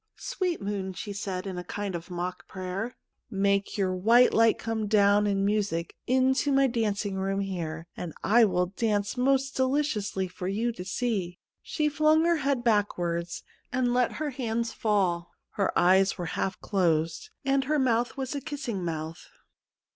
' Sweet moon,' she said in a kind of mock prayer, ' make your white light come down in music into my dancing room here, and I will dance most deliciously for you to see.' She flung her head backward and let her hands fall ; her eyes were half closed, and her mouth was a kissing mouth.